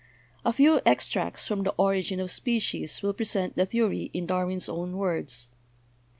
A few extracts from the 'Origin of Species' will pre sent the theory in Darwin's own words.